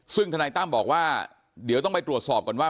ซึ่งธนายตั้มบอกว่าเดี๋ยวต้องไปตรวจสอบก่อนว่า